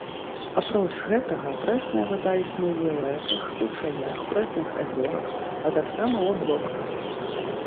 Апроч гэтага, прэсная вада існуе ў рэках, ручаях, прэсных азёрах, а таксама ў аблоках.